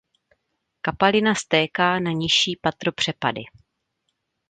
Kapalina stéká na nižší patro přepady.